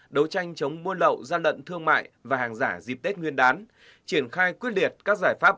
đấu tranh chống mua lậu gian lận thương mại và hàng giả dịp tết nguyên đán triển khai quyết liệt các giải pháp